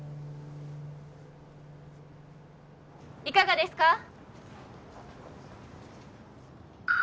いかがですか？